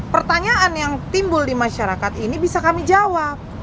pertanyaan yang timbul di masyarakat ini bisa kami jawab